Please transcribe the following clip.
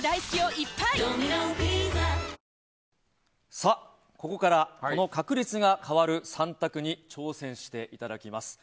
さあ、ここから確率が変わる３択に挑戦していただきます。